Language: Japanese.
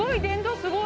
すごい。